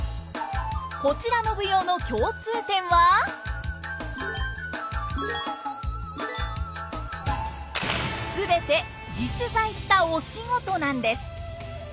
こちらの舞踊の全て実在したお仕事なんです！